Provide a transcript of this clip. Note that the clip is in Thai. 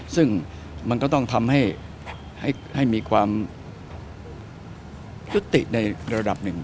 ซึ่งมันก็ต้องทำให้มีความยุติในระดับหนึ่ง